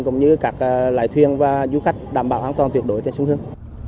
cũng như các loại thuyền và du khách đảm bảo an toàn tuyệt đối trên sông hương